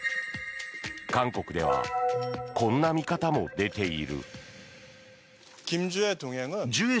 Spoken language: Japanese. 韓国ではこんな見方も出ている。